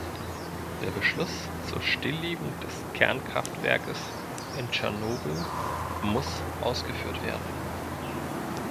Der Beschluss zur Stillegung des Kernkraftwerkes in Tschernobyl muss ausgeführt werden.